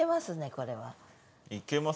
これは。いけます。